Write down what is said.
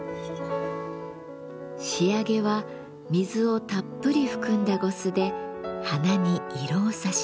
仕上げは水をたっぷり含んだ呉須で花に色をさします。